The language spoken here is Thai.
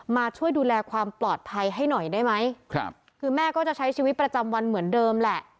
มาช่วยดูแลความปลอดภัยให้หน่อยได้ไหมครับคือแม่ก็จะใช้ชีวิตประจำวันเหมือนเดิมแหละ